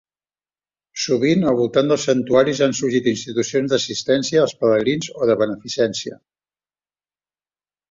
Sovint, al voltant dels santuaris han sorgit institucions d'assistència als pelegrins o de beneficència.